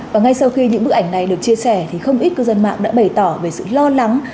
và ngay sau khi những bức ảnh này được chia sẻ thì không ít cư dân mạng đã bày tỏ về sự lo lắng